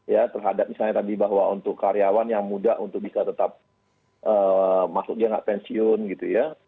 ya terhadap misalnya tadi bahwa untuk karyawan yang muda untuk bisa tetap masuk dia nggak pensiun gitu ya